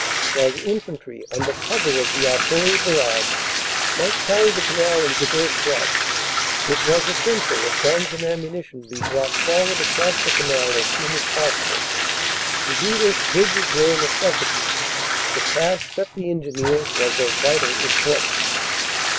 While the infantry, under cover of the artillery barrage, might carry the canal in the first rush, it was essential that guns and ammunition be brought forward across the canal as soon as possible. To do this bridges were a necessity. The task set the Engineers was of vital importance."